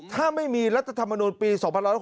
ถ้าไม่มีรัตภัมฐ์มนุมปี๒๖๖๐